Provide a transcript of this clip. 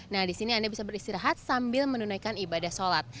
nah disini anda bisa beristirahat sambil menunaikan ibadah sholat